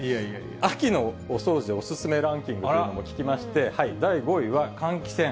秋のお掃除お勧めランキングというのも聞きまして、第５位は換気扇。